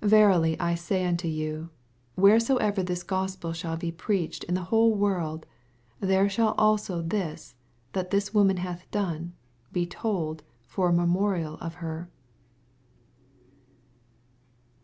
18 Verily I say unto you, Where* soever this Gospel shall be preached in the whole world, l^e shaU also this, that this woman hath done, be told for a memorial of her.